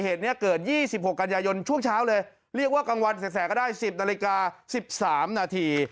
เหตุนี้เกิด๒๖กันยายนช่วงเช้าเลยเรียกว่ากลางวันแสกก็ได้๑๐นาฬิกา๑๓นาที